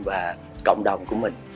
và cộng đồng của mình